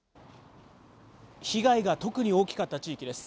被害が特に大きかった地域です。